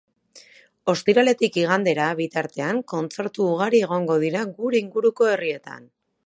Ostiraletik igandera bitartean kontzertu ugari egongo dira gure inguruko herrietan.